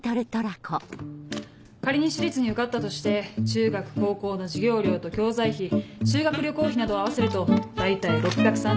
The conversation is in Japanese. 仮に私立に受かったとして中学高校の授業料と教材費修学旅行費などを合わせると大体６３０万。